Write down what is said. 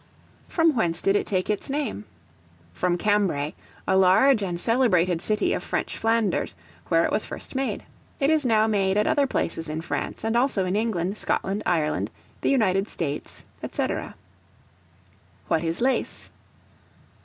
From whence did it take its name? From Cambray, a large and celebrated city of French Flanders, where it was first made; it is now made at other places in France; and also in England, Scotland, Ireland, the United States, &c. What is Lace?